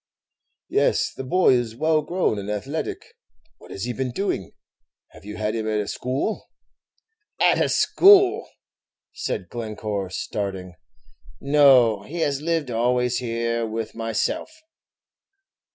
"Yes, the boy is well grown and athletic. What has he been doing have you had him at a school?" "At a school!" said Glencore, starting; "no, he has lived always here with myself.